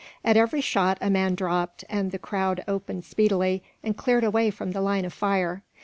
At every shot a man dropped, and the crowd opened speedily, and cleared away from the line of fire.